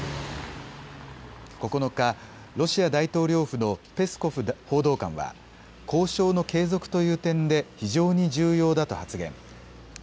９日、ロシア大統領府のペスコフ報道官は交渉の継続という点で非常に重要だと発言。